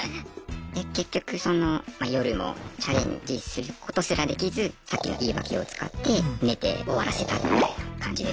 で結局その夜もチャレンジすることすらできずさっきの言い訳を使って寝て終わらせたみたいな感じでしたね。